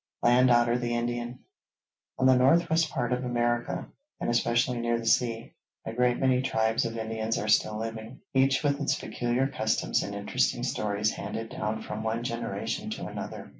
] LAND OTTER THE INDIAN On the North West part of America, and especially near the sea, a great many tribes of Indians are still living, each with its peculiar customs and interesting stories handed down from one generation to another.